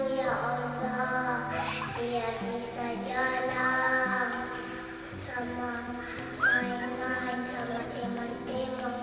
ya allah biar bisa jalan sama mainan sama teman temang